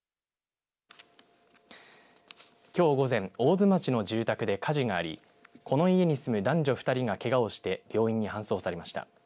きょう午前、大津町の住宅で火事がありこの家に住む男女２人がけがをして病院に搬送されました。